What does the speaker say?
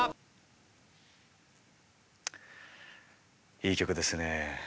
いい曲ですよね。